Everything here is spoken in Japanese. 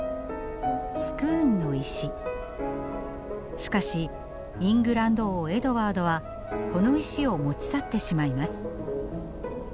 しかしイングランド王エドワードはこの石を持ち去ってしまいます。